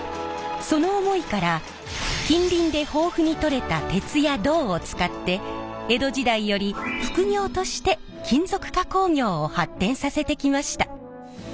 その思いから近隣で豊富にとれた鉄や銅を使って江戸時代より副業として金属加工業を発展させてきました。